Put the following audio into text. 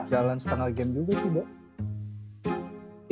jalan setengah game juga sih mbak